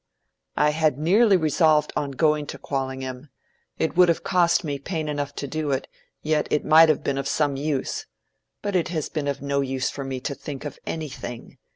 "I had nearly resolved on going to Quallingham. It would have cost me pain enough to do it, yet it might have been of some use. But it has been of no use for me to think of anything.